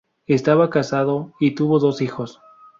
Estaba casado y tuvo dos hijos.